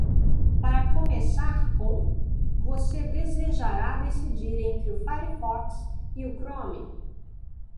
Para começar com?, você desejará decidir entre o Firefox e o Chrome.